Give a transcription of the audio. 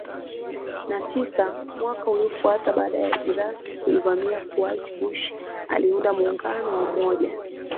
na tisa Mwaka uliofuata baada ya Iraki kuivamia Kuwait Bush aliunda muungano wa Umoja